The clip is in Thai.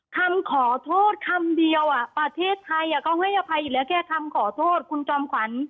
คำขอโทษคำเดียวอ่ะประเทศไทยก็ไม่ให้อภัยอีกแล้วก็แค่คำขอโทษขุนจอมขวัญ